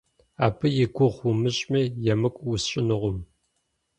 Абы и гугъу умыщӏми, емыкӏу усщӏынукъым.